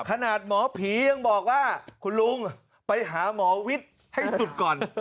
ขนาดหมอผียังบอกว่าคุณลุงไปหาหมอวิทย์ให้สุดก่อน